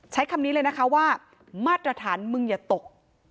ใช้คำนี้เลยนะคะว่ามาตรฐานมึงอย่าตก